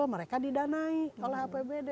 mereka didanai oleh apbd